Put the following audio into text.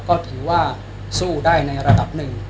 ก็ถือว่าสู้ได้ในระดับ๑